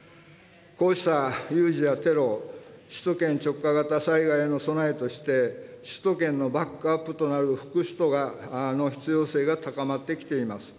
こうした有事やテロ、首都圏直下型災害への備えとして、首都圏のバックアップとなる副首都の必要性が高まってきています。